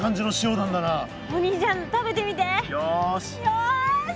よし！